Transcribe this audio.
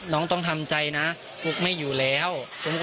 ต้องทำใจนะฟุ๊กไม่อยู่แล้ว